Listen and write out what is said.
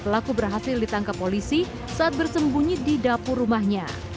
pelaku berhasil ditangkap polisi saat bersembunyi di dapur rumahnya